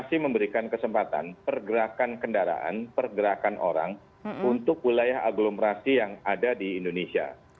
kami memberikan kesempatan pergerakan kendaraan pergerakan orang untuk wilayah aglomerasi yang ada di indonesia